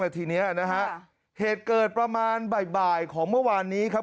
ทีเนี้ยนะฮะเหตุเกิดประมาณบ่ายของเมื่อวานนี้ครับ